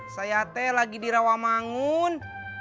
saya ate lagi di rawa manggun